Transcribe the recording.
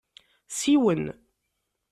Siwen.